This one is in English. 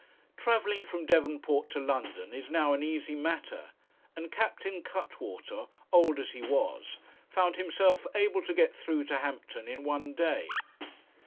Travelling from Devonport to London is now an easy matter; and Captain Cuttwater, old as he was, found himself able to get through to Hampton in one day.